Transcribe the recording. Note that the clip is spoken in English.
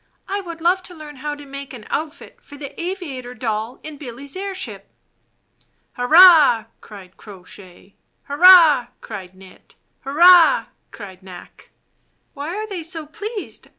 "I would love to learn how to make an outfit for the aviator doll in Billy's airship." "Hurrah!" cried Crow Shay. "Hurrah!" cried Knit. "Hurrah!" cried Knack. "Why are they so pleased?